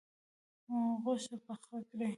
غوښه پخه کړئ